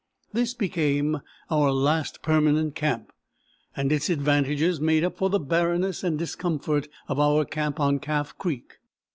This became our last permanent camp, and its advantages made up for the barrenness and discomfort of our camp on Calf Creek.